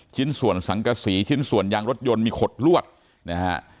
ชิ้นส่วนสังกษีชิ้นส่วนยางรถยนต์มีขดลวดนะฮะ